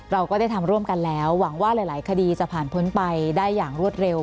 เราก็ได้ทำร่วมกันแล้วหวังว่าหลายคดีจะผ่านพ้นไปได้อย่างรวดเร็ว